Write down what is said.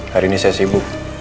hari ini saya sibuk